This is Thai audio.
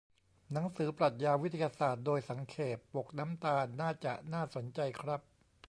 หนังสือ 'ปรัชญาวิทยาศาสตร์โดยสังเขป' ปกน้ำตาล น่าจะน่าสนใจครับ